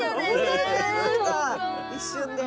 一瞬で。